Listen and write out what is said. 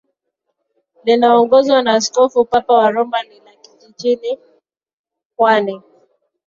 linaloongozwa na Askofu Papa wa Roma ni la Kiinjili kwani